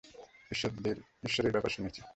ঈশ্বরীর ব্যাপারে শুনেছি।